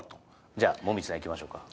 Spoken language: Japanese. じゃあ紅葉さんいきましょうか。